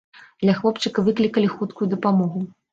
Для хлопчыка выклікалі хуткую дапамогу.